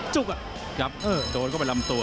ครับโดนเข้าไปลำตัว